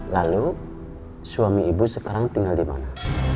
lalu suami ibu sekarang tinggal di mana